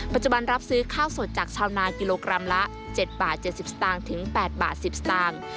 ปัจจุบันรับซื้อข้าวสดจากชาวนากิโลกรัมละ๗บาท๗๐สตางค์ถึง๘บาท๑๐สตางค์